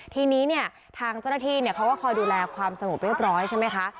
ทีนี้เนี่ยทางเจ้าหน้าที่เขาก็คอยดูแลความสงบเรียบร้อยใช่ไหมคะ